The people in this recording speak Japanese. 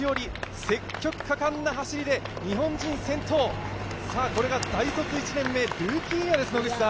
積極果敢な走りで日本人先頭、これが大卒１年目ルーキーイヤーです野口さん。